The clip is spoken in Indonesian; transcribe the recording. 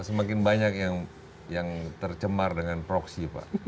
semakin banyak yang tercemar dengan proksi pak